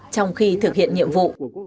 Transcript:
trong khi thực hiện nhiệm vụ